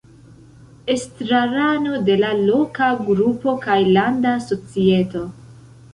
Estrarano de la loka grupo kaj landa societo.